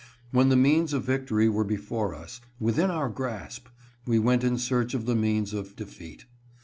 When the means of victory were before us, — within our grasp, — we went in search of the means of defeat.